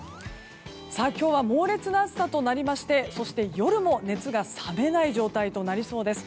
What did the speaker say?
今日は猛烈な暑さとなりましてそして夜も熱が冷めない状態となりそうです。